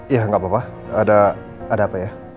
ya nggak apa apa ada apa ya